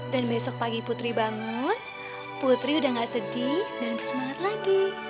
dan besok pagi putri bangun putri udah gak sedih dan bersemangat lagi